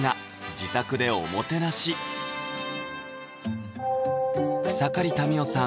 自宅でおもてなし草刈民代さん